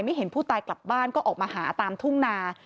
เห็นผู้ตายกลับบ้านก็ออกมาหาตามทุ่งนา